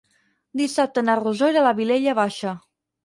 Dissabte na Rosó irà a la Vilella Baixa.